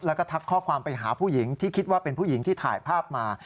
แล้วก็ทักข้อความไปหาผู้หญิงที่คิดว่าเป็นผู้หญิงที่ถ่ายภาพมา